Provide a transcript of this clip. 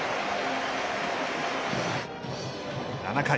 ７回。